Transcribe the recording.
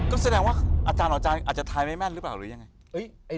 ก็แสดงว่าอาจารย์หมออาจารย์อาจจะทายไม่แม่นหรือเปล่าหรือยังไง